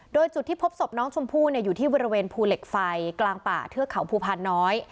โดยจุดที่พบศพน้องชมพู่อยู่ที่บริเวณภูเหล็กไฟกลางป่าเทือกเขาภูพานน้อย